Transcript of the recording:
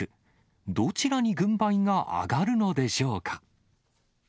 どちらに軍配が上がるのでしょうか。